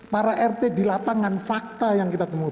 para rt di lapangan fakta yang kita temui